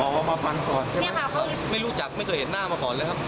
เอามาฟังก่อนใช่ไหมครับไม่รู้จักไม่เคยเห็นหน้ามาก่อนเลยครับ